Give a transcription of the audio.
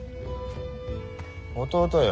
弟よ